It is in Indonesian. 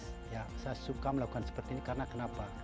saya suka melakukan seperti ini karena kenapa